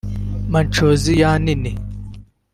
Machozi ya nini